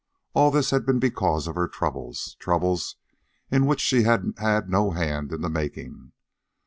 All this had been because of her troubles troubles in which she had had no hand in the making.